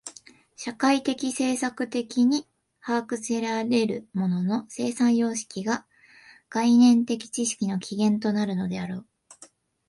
社会的制作的に把握せられる物の生産様式が概念的知識の起源となるのであろう。